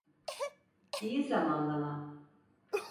İyi zamanlama.